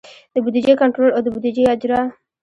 د بودیجې کنټرول او د بودیجې اجرا.